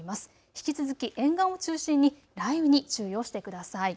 引き続き沿岸を中心に雷雨に注意をしてください。